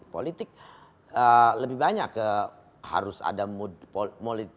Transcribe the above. politik lebih banyak harus ada mood politik